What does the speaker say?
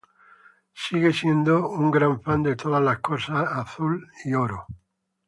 Él sigue siendo un gran fan de todas las cosas azul y oro.